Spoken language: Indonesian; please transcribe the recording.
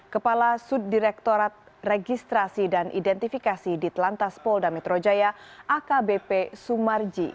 kepala subdirektorat registrasi dan identifikasi di telantas polda metro jaya akbp sumarji